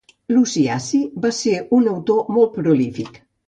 Luci Acci va ser un autor molt prolífic.